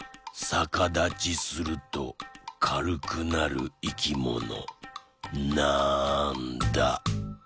さかだちするとかるくなるいきもの？